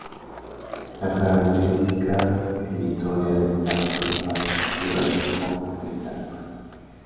La característica definitoria del marco de paz positiva es cómo contempla la paz.